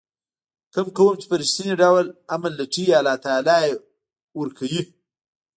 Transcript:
کوم قوم چې په رښتیني ډول امن لټوي الله تعالی یې ورکوي.